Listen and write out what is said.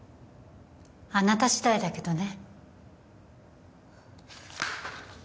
あなた次第だけどね